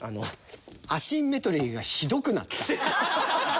アシンメトリーがひどくなった。